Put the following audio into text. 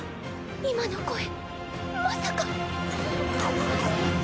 今の声まさか！？